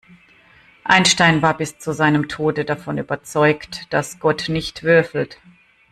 Einstein war bis zu seinem Tode davon überzeugt, dass Gott nicht würfelt.